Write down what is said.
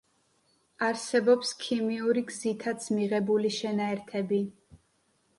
არსებობს ქიმიური გზითაც მიღებული შენაერთები.